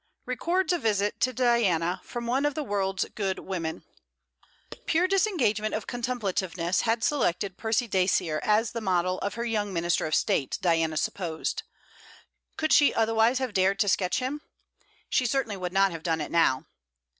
RECORDS A VISIT TO DIANA FROM ONE OF THE WORLD'S GOOD WOMEN Pure disengagement of contemplativeness had selected. Percy Dacier as the model of her YOUNG MINISTER OF STATE, Diana supposed. Could she otherwise have dared to sketch him? She certainly would not have done it now.